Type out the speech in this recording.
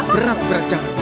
berat berat jangan